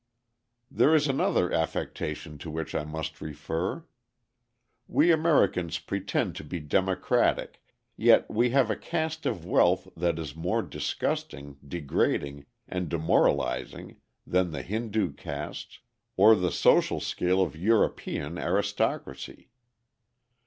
There is another affectation to which I must refer. We Americans pretend to be democratic, yet we have a caste of wealth that is more disgusting, degrading, and demoralizing than the Hindoo castes, or the social scale of European aristocracy.